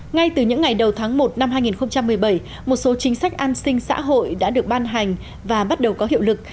ngay từ những ngày đầu tháng một năm hai nghìn một mươi bảy một số chính sách an sinh xã hội đã được ban hành và bắt đầu có hiệu lực